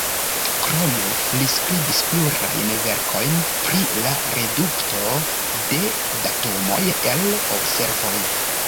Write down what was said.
Krome, li skribis plurajn verkojn pri la redukto de datumoj el observoj.